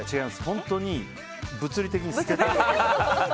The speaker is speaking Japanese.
本当に物理的に捨てる。